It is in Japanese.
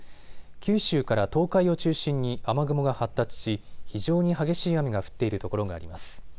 九州から東海を中心に雨雲が発達し非常に激しい雨が降っている所があります。